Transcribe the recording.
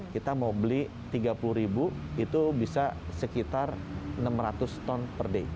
kita mau beli tiga puluh ribu itu bisa sekitar enam ratus ton per day